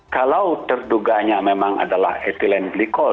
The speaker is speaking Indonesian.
kalau terduganya memang adalah etilen glikol